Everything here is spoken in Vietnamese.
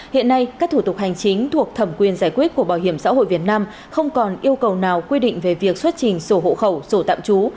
hiện nay các thủ tục hành chính thuộc thẩm quyền giải quyết của bảo hiểm xã hội việt nam không còn yêu cầu nào quy định về việc xuất trình sổ hộ khẩu sổ tạm trú